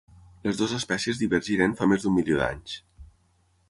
Les dues espècies divergiren fa més d'un milió d'anys.